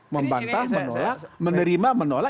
membantah menolak menerima menolak